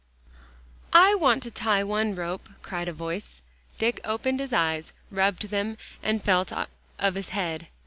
"I want to tie one rope," cried a voice. Dick opened his eyes, rubbed them, and felt of his head.